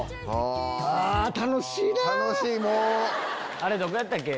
あれどこやったっけ？